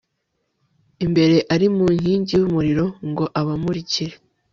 imbere ari mu nkingi y umuriro ngo abamurikire